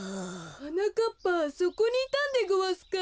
はなかっぱそこにいたんでごわすか。